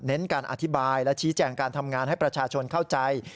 การอธิบายและชี้แจงการทำงานให้ประชาชนเข้าใจ